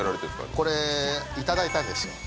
今これいただいたんですよ